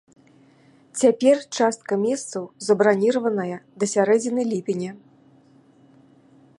Цяпер частка месцаў забраніраваная да сярэдзіны ліпеня.